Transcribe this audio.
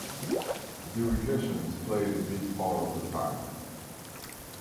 The irrigations played a big part over time.